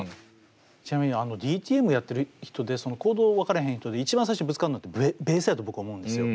ちなみにあのＤＴＭをやってる人でそのコードを分からへん人で一番最初ぶつかるのってベースやと僕は思うんですよ。